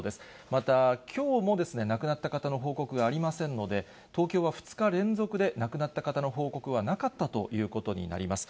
また、きょうも亡くなった方の報告がありませんので、東京は２日連続で亡くなった方の報告はなかったということになります。